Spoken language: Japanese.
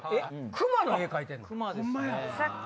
クマの絵描いてんの？